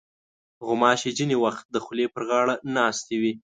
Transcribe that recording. غوماشې ځینې وخت د خولې پر غاړه ناستې وي.